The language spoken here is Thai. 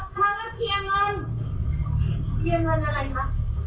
เธอมันอะไรนะ